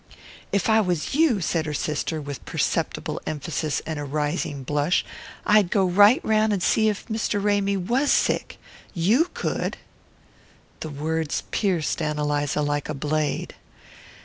"If I was YOU," said her sister, with perceptible emphasis and a rising blush, "I'd go right round and see if Mr. Ramy was sick. YOU could." The words pierced Ann Eliza like a blade.